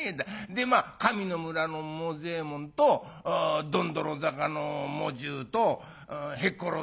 でまあ上の村のもざえもんとどんどろ坂の茂十とへっころ